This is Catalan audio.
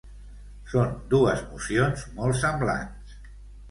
Són dues mocions molt semblants.